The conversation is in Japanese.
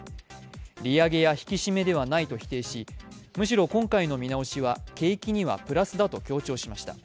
利上げや引き締めではないと否定し、むしろ今回の見直しは、景気にはプラスだと強調しました。